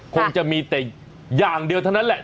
คงจะมีแต่อย่างเดียวเท่านั้นแหละ